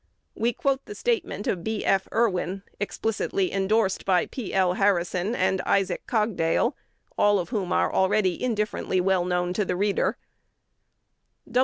We quote the statement of B. F. Irwin, explicitly indorsed by P. L. Harrison and Isaac Cogdale, all of whom are already indifferently well known to the reader.